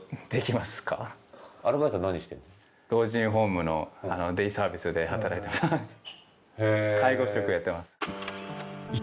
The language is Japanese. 老人ホームのデイサービスで働いてます。